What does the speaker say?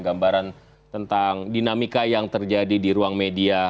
gambaran tentang dinamika yang terjadi di ruang media